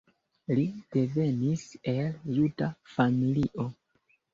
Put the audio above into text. Li devenis el juda familio.